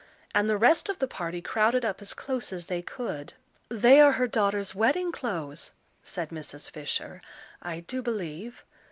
And the rest of the party crowded up as close as they could. "They are her daughter's wedding clothes," said Mrs. Fisher, "I do believe."